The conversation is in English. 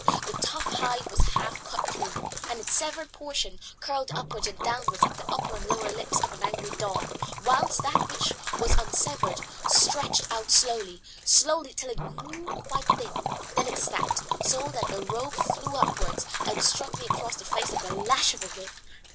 The tough hide was half cut through, and its severed portion curled upwards and downwards like the upper and lower lips of an angry dog, whilst that which was unsevered stretched out slowly, slowly, till it grew quite thin. Then it snapped, so that the rope flew upwards and struck me across the face like the lash of a whip.